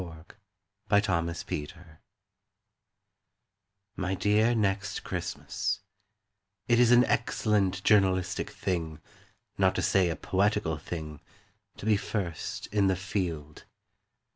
TO NEXT CHRISTMAS My dear Next Christmas, It is an excellent journalistic thing, Not to say a poetical thing, To be first in the field.